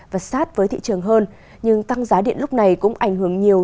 và sát với thị trường hơn nhưng tăng giá điện lúc này cũng ảnh hưởng nhiều